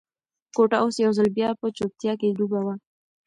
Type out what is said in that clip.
کوټه اوس یو ځل بیا په چوپتیا کې ډوبه ده.